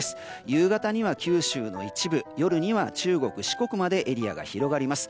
夕方には九州の一部夜には中国・四国までエリアが広がります。